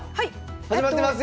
始まってますよ！